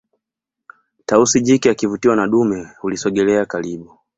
tausi jike akivutiwa na dume hulisogelelea karibu